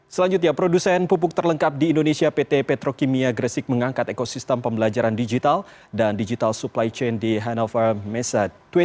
selanjutnya produsen pupuk terlengkap di indonesia pt petrokimia gresik mengangkat ekosistem pembelajaran digital dan digital supply chain di hannover messa dua ribu dua puluh